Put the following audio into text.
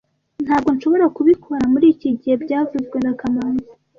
Ntabwo nshobora kubikora muri iki gihe byavuzwe na kamanzi